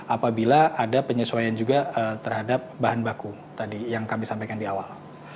apabila ada penyesuaian juga terhadap bahan baku tadi yang kami sampaikan di awal